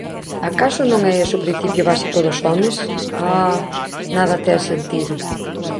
Acaso non é ese o principio básico dos homes? Ah… nada ten sentido.